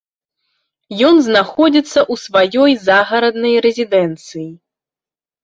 Ён знаходзіцца ў сваёй загараднай рэзідэнцыі.